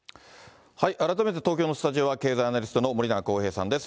改めて東京のスタジオは経済アナリストの森永康平さんです。